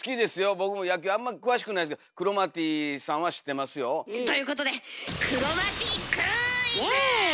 僕も野球あんま詳しくないですけどクロマティさんは知ってますよ。ということでイエーイ！